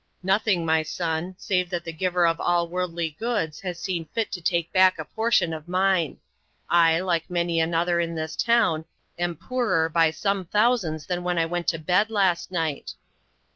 "Nothing, my son, save that the Giver of all worldly goods has seen fit to take back a portion of mine. I, like many another in this town, am poorer by some thousands than I went to bed last night."